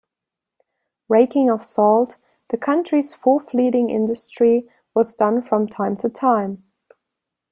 Raking of salt, the country's fourth-leading industry, was done from time to time.